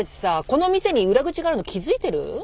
この店に裏口があるの気付いてる？